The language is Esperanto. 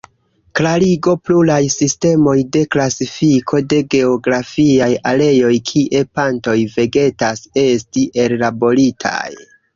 Klarigo Pluraj sistemoj de klasifiko de geografiaj areoj kie plantoj vegetas, estis ellaboritaj.